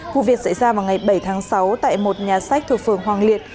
vụ việc xảy ra vào ngày bảy tháng sáu tại một nhà sách thuộc phường hoàng liệt